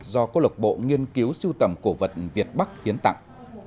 do cô lộc bộ nghiên cứu sưu tầm cổ vật việt bắc hiến tặng